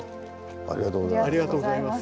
ありがとうございます。